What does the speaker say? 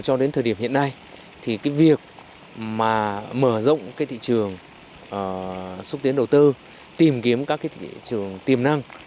cho đến thời điểm hiện nay việc mở rộng thị trường xúc tiến đầu tư tìm kiếm các thị trường tiềm năng